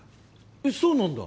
えそうなんだ。